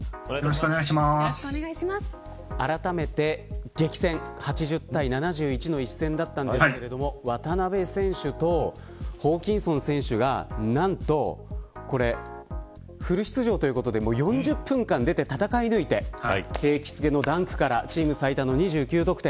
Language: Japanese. あらためて、激戦８０対７１の一戦でしたが渡邊選手とホーキンソン選手が何とフル出場ということで４０分間出て、戦い抜いて景気付けのダンクからチーム最多の２９得点。